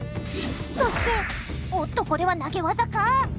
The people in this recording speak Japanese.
そしておっとこれは投げ技か！？